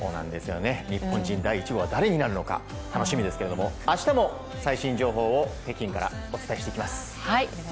日本人第１号は誰になるのか楽しみですけど明日も最新情報を北京からお伝えしていきます。